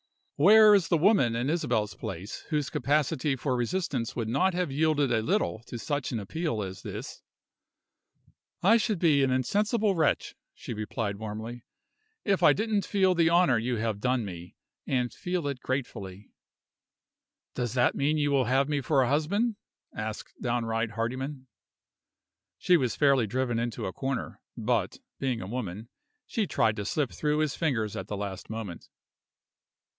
Where is the woman in Isabel's place whose capacity for resistance would not have yielded a little to such an appeal as this? "I should be an insensible wretch," she replied warmly, "if I didn't feel the honor you have done me, and feel it gratefully." "Does that mean you will have me for a husband?" asked downright Hardyman. She was fairly driven into a corner; but (being a woman) she tried to slip through his fingers at the last moment.